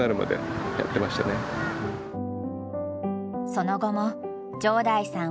その後も城台さん